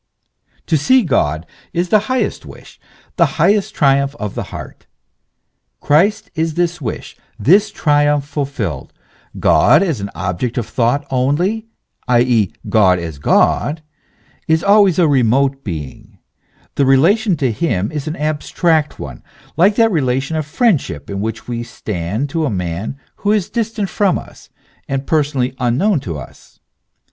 * To see God is the highest wish, the highest triumph of the heart. Christ is this wish, this triumph, fulfilled. God, as an object of thought only, i.e., God as God, is always a remote being ; the relation to him is an abstract one, like that relation of friendship in which we stand to a man who is distant from us, and personally unknown to us.